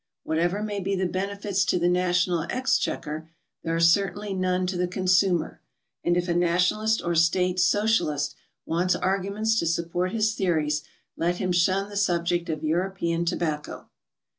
Whatever may be the benefits to the na tional exchequer, there are certainly none to the consumer, and if a Nationalist or State Socialist wants arguments to support his theories, let him shun the subject of European tobacco.